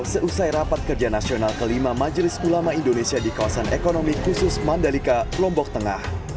seusai rapat kerja nasional ke lima majelis ulama indonesia di kawasan ekonomi khusus mandalika lombok tengah